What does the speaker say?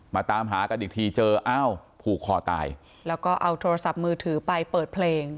ตามหากันอีกทีเจออ้าวผูกคอตายแล้วก็เอาโทรศัพท์มือถือไปเปิดเพลง